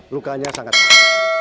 lukanya sangat teruk